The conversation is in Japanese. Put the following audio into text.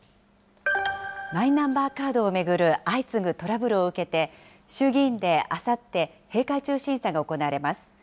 マイナンバーカードを巡る相次ぐトラブルを受けて、衆議院であさって、閉会中審査が行われます。